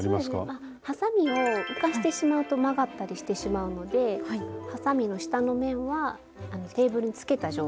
はさみを浮かしてしまうと曲がったりしてしまうのではさみの下の面はテーブルにつけた状態で。